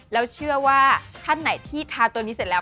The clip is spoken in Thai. แล้วเชื่อว่าท่านไหนที่ทาตัวนี้เสร็จแล้ว